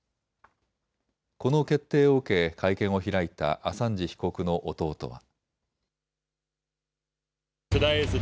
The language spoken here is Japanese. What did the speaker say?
この決定を受け会見を開いたアサンジ被告の弟は。